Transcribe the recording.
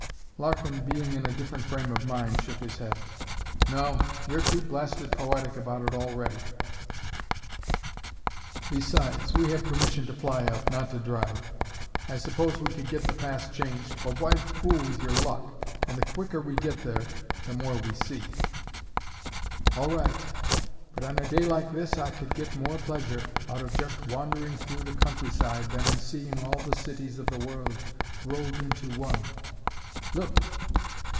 Larkin, being in a different frame of mind, shook his head. "No, you're too blasted poetic about it already. Besides, we have permission to fly up, not to drive. I suppose we could get the pass changed, but why fool with your luck? And the quicker we get there the more we see." "All right, but on a day like this I could get more pleasure out of just wandering through the countryside than in seeing all the cities of the world rolled into one. Look!"